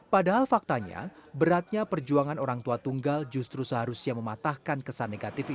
padahal faktanya beratnya perjuangan orang tua tunggal justru seharusnya mematahkan kesan negatif ini